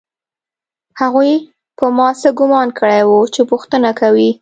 هغوی په ما څه ګومان کړی و چې پوښتنه کوي